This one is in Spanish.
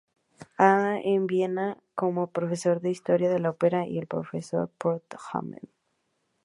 Haas en Viena como profesor de historia de la ópera y al profesor Prod´Homme.